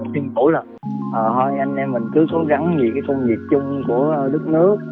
tuyên bố là thôi anh em mình cứ cố gắng vì cái công việc chung của đất nước